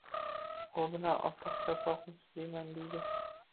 U bilan... apoq-chapoqmisiz deyman? — dedi.